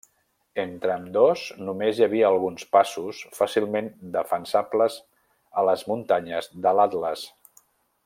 Entre ambdós, només hi havia alguns passos fàcilment defensables a les muntanyes de l'Atles.